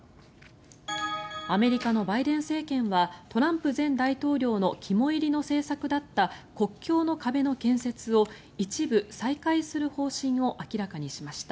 アメリカのバイデン政権はトランプ前大統領の肝煎りの政策だった国境の壁の建設を一部再開する方針を明らかにしました。